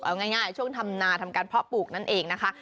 เอาง่ายช่วงทำนาทำการเพาะปลูกนั่นเองนะคะ